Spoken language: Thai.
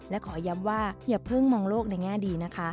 และขอย้ำว่าอย่าเพิ่งมองโลกในแง่ดีนะคะ